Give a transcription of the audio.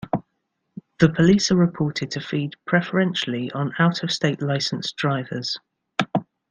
The police are reported to feed preferentially on out-of-state licensed drivers.